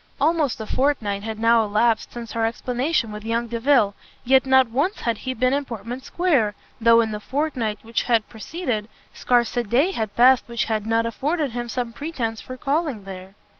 Almost a fortnight had now elapsed since her explanation with young Delvile, yet not once had he been in Portman square, though in the fortnight which had preceded, scarce a day had passed which had not afforded him some pretence for calling there.